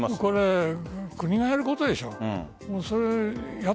国がやることでしょう。